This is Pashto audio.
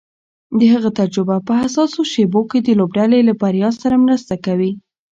د هغه تجربه په حساسو شېبو کې د لوبډلې له بریا سره مرسته کوي.